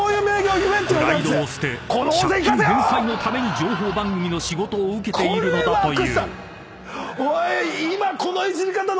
［プライドを捨て借金返済のために情報番組の仕事を受けているのだという］